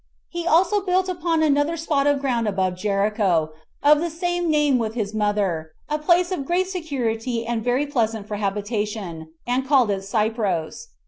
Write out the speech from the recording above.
He also built upon another spot of ground above Jericho, of the same name with his mother, a place of great security and very pleasant for habitation, and called it Cypros.